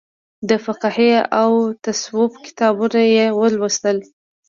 د فقهي او تصوف کتابونه یې ولوستل.